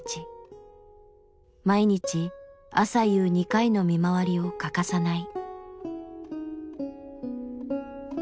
毎日朝夕２回の見回りを欠かさない。